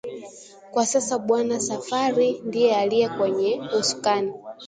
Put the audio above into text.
Kwa sasa Bwana Safari ndiye aliye kwenye usukani